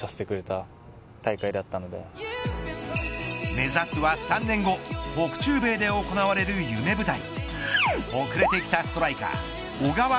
目指すは３年後北中米で行われる夢舞台。